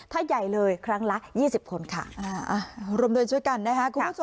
ถ้าใหญ่เลยครั้งละยี่สิบคนค่ะอ่ารวมโดยช่วยกันนะฮะ